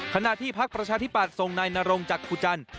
ขณะที่พลักษณ์ประชาธิบัตรทรงนายนรงจักรพุจัน